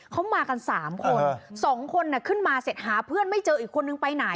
เขามากัน๓คน๒คนขึ้นมาเสร็จหาเพื่อนไม่เจออีกคนนึงไปไหน